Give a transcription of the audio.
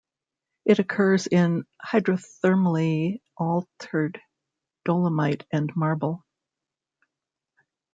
It occurs in hydrothermally altered dolomite and marble.